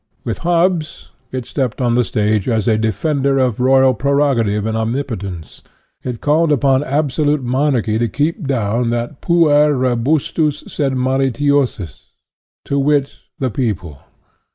With Hobbes it stepped on the stage as a de INTRODUCTION 3! fender of royal prerogative and omnipotence; it called upon absolute monarchy to keep down that pucr robust us sed malitiosus, to wit, the people.